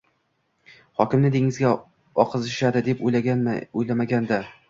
Xokimni dengizga oqizishadi, deb o`ylamagandi